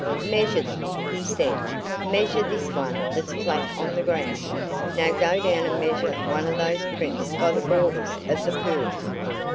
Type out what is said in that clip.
"Measure them," he said. "Measure this one that's flat on the ground. Now go down and measure one of those prints by the borders of the pool."